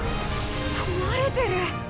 壊れてる！